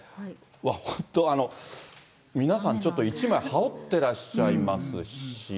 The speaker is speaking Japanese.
本当、皆さん、ちょっと１枚羽織ってらっしゃいますし。